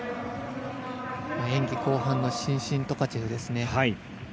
演技後半の伸身トカチェフですね。